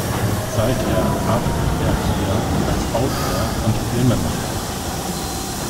Seither arbeitet er hier als Autor und Filmemacher.